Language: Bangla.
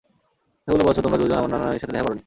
এতগুলো বছর তোমরা দুজন আমার নানা-নানির সাথে দেখো করোনি।